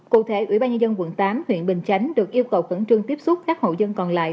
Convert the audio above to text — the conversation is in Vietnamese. cụ thể ủy ban nhân dân tp hcm tp hcm được yêu cầu khẩn trương tiếp xúc các hậu dân còn lại